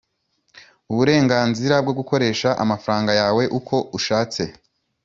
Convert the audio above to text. uburenganzira bwo gukoresha amafaranga yawe uko ushatse